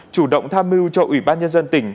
chủ động tham mưu cho ủy ban nhân dân tỉnh